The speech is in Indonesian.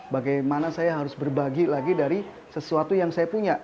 bagaimana saya harus berbagi lagi dari sesuatu yang saya punya